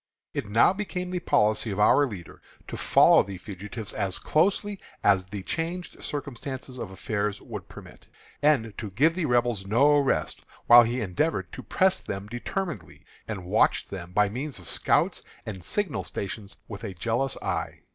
It now became the policy of our leader to follow the fugitives as closely as the changed circumstances of affairs would permit, and to give the Rebels no rest, while he endeavored to press them determinedly, and watched them by means of scouts and signal stations with a jealous eye.